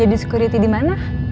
jadi security dimana